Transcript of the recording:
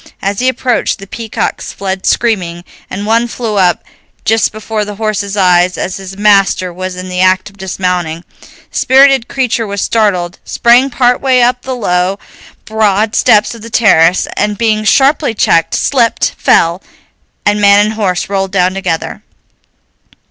As he approached, the peacocks fled screaming, and one flew up just before the horse's eyes as his master was in the act of dismounting. The spirited creature was startled, sprang partway up the low, broad steps of the terrace, and, being sharply checked, slipped, fell, and man and horse rolled down together.